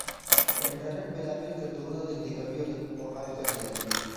انټرنېټ بېلابېل کلتورونه نږدې کوي او د پوهاوي کچه زياتوي.